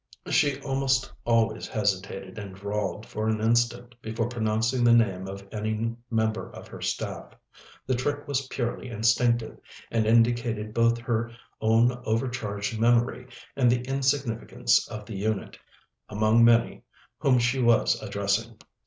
She almost always hesitated and drawled for an instant before pronouncing the name of any member of her staff. The trick was purely instinctive, and indicated both her own overcharged memory and the insignificance of the unit, among many, whom she was addressing.